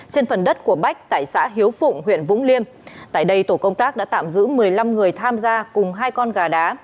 trên phần đất của bách tại xã hiếu phụng huyện vũng liêm tại đây tổ công tác đã tạm giữ một mươi năm người tham gia cùng hai con gà đá